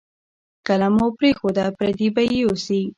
که مو پرېښوده، پردي به یې یوسي.